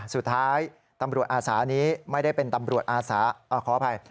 สุดท้ายตำรวจอาสานี้ไม่ได้เป็นตำรวจอาสาขออภัย